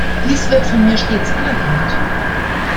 Dies wird von mir stets anerkannt.